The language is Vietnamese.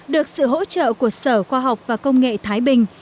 được sự hỗ trợ của sở khoa học và công nghệ thái bình